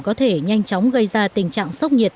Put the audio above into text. có thể nhanh chóng gây ra tình trạng sốc nhiệt